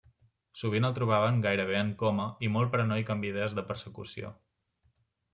Sovint el trobaven gairebé en coma i molt paranoic amb idees de persecució.